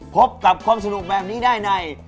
พบกับความสนุกแบบนี้ได้ใน